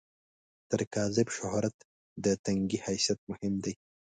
تر کاذب شهرت، د ټنګي حیثیت مهم دی.